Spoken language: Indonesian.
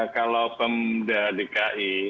kalau pemerintah dki